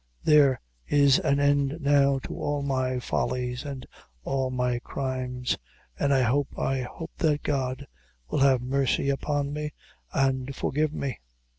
There, is an end now to all my follies and all my crimes; an' I hope I hope that God will have mercy upon me, an' forgive me."